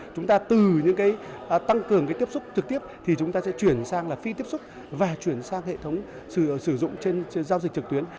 chúng ta từ những cái tăng cường cái tiếp xúc trực tiếp thì chúng ta sẽ chuyển sang là phi tiếp xúc và chuyển sang hệ thống sử dụng trên giao dịch trực tuyến